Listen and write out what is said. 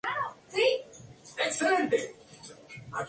Su trabajo varió extensamente sobre asuntos globales críticos diversos.